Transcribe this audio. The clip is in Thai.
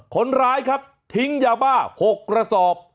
คนร้ายครับทิ้งยาบ้า๖กระสอบ